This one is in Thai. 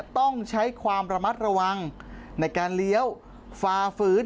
ต้องใช้ความระมัดระวังในการเลี้ยวฝ่าฝืน